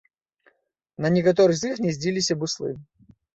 На некаторых з іх гняздзіліся буслы.